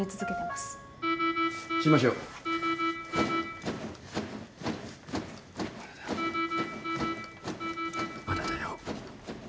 まだだよ。